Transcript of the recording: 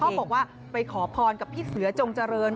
บอกว่าไปขอพรกับพี่เสือจงเจริญ